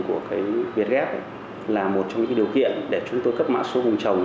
với cái việc grab là một trong những điều kiện để chúng tôi cấp mã số vùng trồng